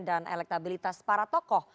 dan elektabilitas para tokoh